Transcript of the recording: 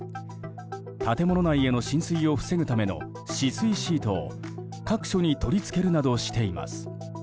建物内への浸水を防ぐための止水シートを各所に取り付けるなどしています。